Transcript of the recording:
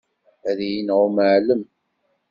Ad iyi-ineɣ umɛellem.